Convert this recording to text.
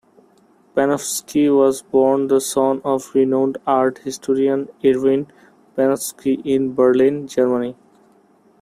Panofsky was born the son of renowned art historian Erwin Panofsky in Berlin, Germany.